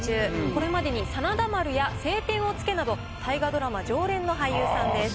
これまでに「真田丸」や「青天を衝け」など大河ドラマ常連の俳優さんです。